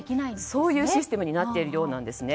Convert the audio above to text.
そういうシステムになっているようなんですね。